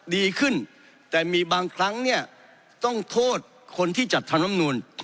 ดีขึ้นแต่มีบางครั้งเนี่ยต้องโทษคนที่จัดทำลำนูน